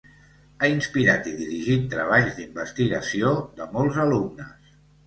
Ha inspirat i dirigit treballs d'investigació de molts alumnes.